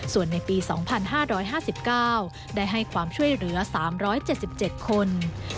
ส่วนในปี๒๕๕๙ได้ให้ความช่วยเหลือ๓๗๗คน